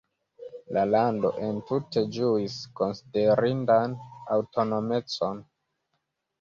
La lando entute ĝuis konsiderindan aŭtonomecon.